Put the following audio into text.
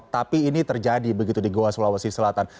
tapi ini terjadi begitu di goa sulawesi selatan